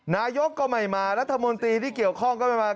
นายกก็ไม่มารัฐมนตรีที่เกี่ยวข้องก็ไม่มา